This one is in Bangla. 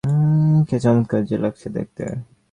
কী চমৎকার যে লাগছে দেখতে।